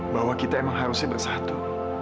bahwa kita emang harusnya bersatu